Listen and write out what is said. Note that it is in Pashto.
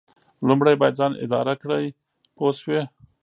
لومړی باید ځان اداره کړئ پوه شوې!.